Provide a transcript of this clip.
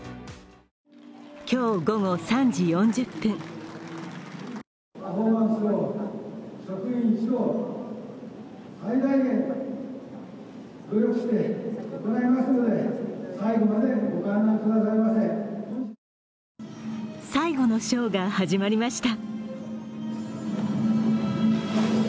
今日午後３時４０分最後のショーが始まりました。